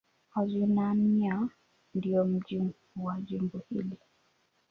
Al-Junaynah ndio mji mkuu wa jimbo hili.